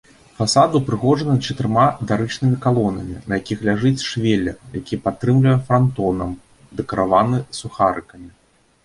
Фасад упрыгожаны чатырма дарычнымі калонамі, на якіх ляжыць швелер, які падтрымлівае франтонам, дэкараваны сухарыкамі.